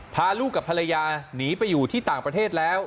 พาลูกกับภรรยาหนีไปอยู่ที่ต่างประเทศแล้ว